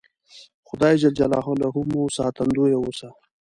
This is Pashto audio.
خدای ج مو ساتندویه اوسه